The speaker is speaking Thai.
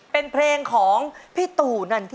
เพียงเต็มความหลัง